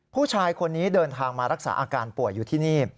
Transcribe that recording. ผู้ชายคนนี้เดินทางมารักษาอาการป่วยอยู่ที่นี่